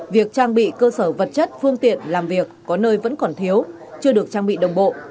việc trang bị cơ sở vật chất phương tiện làm việc có nơi vẫn còn thiếu chưa được trang bị đồng bộ